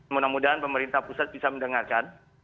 mudah mudahan pemerintah pusat bisa mendengarkan